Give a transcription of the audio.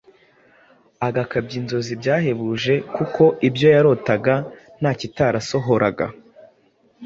agakabya inzozi byahebuje kuko ibyo yarotaga ntakitarasohoraga